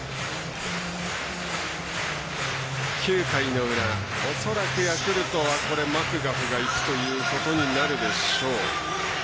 ９回の裏、恐らくヤクルトはマクガフがいくということになるでしょう。